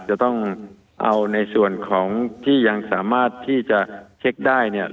จะต้องเอาในส่วนของที่ยังสามารถที่จะเช็คได้เนี่ย